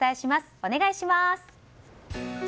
お願いします。